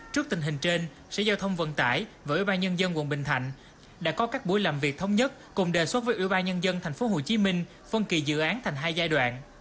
trước tình hình trên sở giao thông vận tải với ủy ban nhân dân quận bình thạnh đã có các buổi làm việc thống nhất cùng đề xuất với ủy ban nhân dân tp hcm phân kỳ dự án thành hai giai đoạn